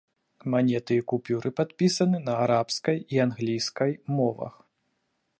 Манеты і купюры падпісаны на арабскай і англійскай мовах.